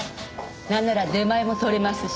なんなら出前も取れますし。